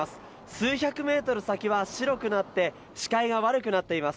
数百メートル先は白くなって視界が悪くなっています。